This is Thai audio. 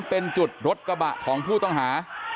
เป็นจุดรถกระบะของผู้ต้องหา